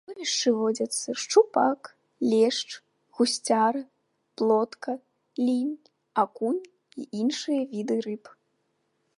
У вадасховішчы водзяцца шчупак, лешч, гусцяра, плотка, лінь, акунь і іншыя віды рыб.